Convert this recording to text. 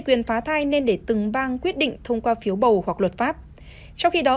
quyền phá thai nên để từng bang quyết định thông qua phiếu bầu hoặc luật pháp trong khi đó